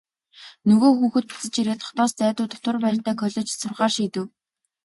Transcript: Нөгөө хүүхэд буцаж ирээд хотоос зайдуу дотуур байртай коллежид сурахаар шийдэв.